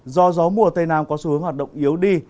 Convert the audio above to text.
do gió mùa tây nam có xu hướng hoạt động yếu đi